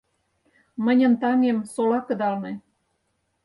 Мыньын таҥем сола кыдалне